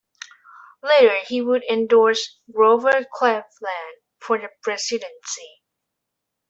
Later he would endorse Grover Cleveland for the presidency.